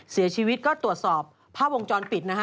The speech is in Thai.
เสียชีวิตก็ตรวจสอบภาพวงจรปิดนะฮะ